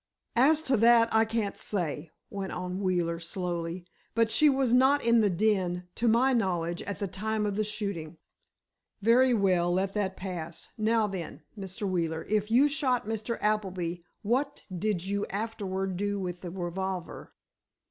"As to that, I can't say," went on Wheeler, slowly, "but she was not in the den, to my knowledge, at the time of the shooting." "Very well, let that pass. Now, then, Mr. Wheeler, if you shot Mr. Appleby, what did you afterward do with your revolver?"